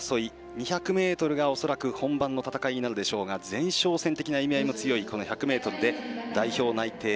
２００ｍが恐らく本番の戦いになるでしょうが前哨戦的な意味合いの強い１００ｍで代表内定